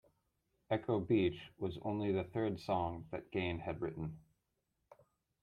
"Echo Beach" was only the third song that Gane had written.